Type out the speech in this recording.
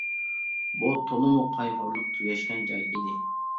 بۇ تولىمۇ قايغۇلۇق، تۈگەشكەن جاي ئىدى.